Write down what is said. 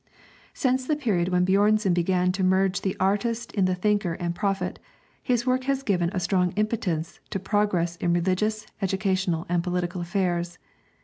Since the period when Björnson began to merge the artist in the thinker and prophet, his work has given a strong impetus to progress in religious, educational, and political affairs.